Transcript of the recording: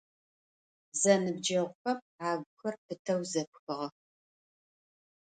Зэныбджэгъухэм агухэр пытэу зэпхыгъэх.